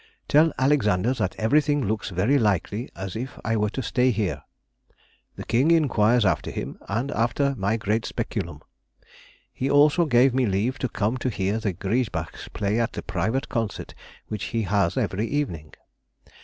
Tell Alexander that everything looks very likely as if I were to stay here. The King inquired after him, and after my great speculum. He also gave me leave to come to hear the Griesbachs play at the private concert which he has every evening.